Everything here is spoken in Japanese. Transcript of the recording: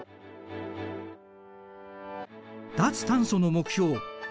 脱炭素の目標